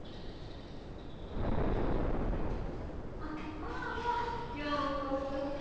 まあまあようこそ。